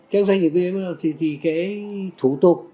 các doanh nghiệp kinh doanh thì cái thủ tục